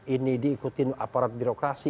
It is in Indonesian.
ini diikuti aparat birokrasi